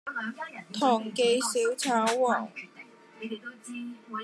堂記小炒皇